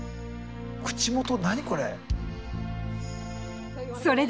口元何これ。